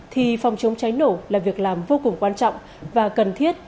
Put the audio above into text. thì phòng chống cháy nổ là việc làm vô cùng quan trọng và cần thiết